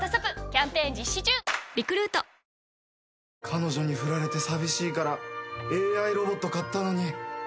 彼女に振られて寂しいからＡＩロボット買ったのに。